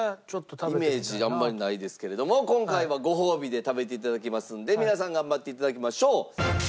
イメージあんまりないですけれども今回はご褒美で食べて頂けますので皆さん頑張って頂きましょう。